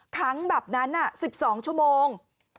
ขังแบบนั้น๑๒ชั่วโมง